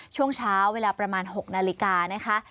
ช่วงเช้าเวลาประมาณ๖นาฬิกานะคะ